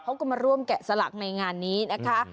เขาก็มาร่วมแกะสลักในงานนี้นะคะ